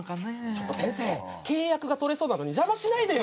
ちょっと先生契約が取れそうなのに邪魔しないでよ